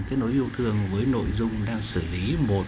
kết nối yêu thương với nội dung đang xử lý